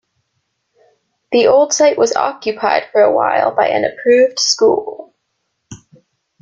The old site was occupied for a while by an approved school.